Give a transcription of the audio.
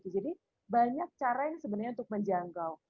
jadi banyak cara yang sebenarnya untuk menjangkau